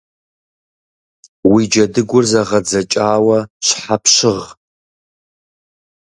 Уи джэдыгур зэгъэдзэкӏауэ щхьэ пщыгъ?